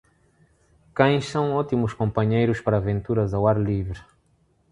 Cães são ótimos companheiros para aventuras ao ar livre.